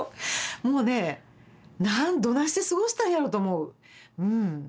もうねどないして過ごしたんやろうと思ううん。